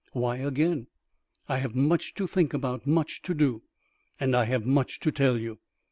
"Why, again?" "I have much to think about, much to do." "And I have much to tell you."